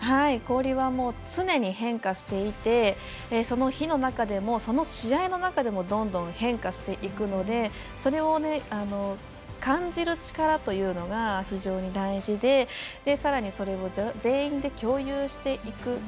氷は常に変化していてその日の中でもその試合の中でもどんどん変化していくのでそれを感じる力というのが非常に大事でさらにそれを、全員で共有していく。